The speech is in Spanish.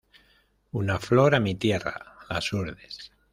Una flor a mi tierra: "Las Hurdes".